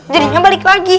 jadinya balik lagi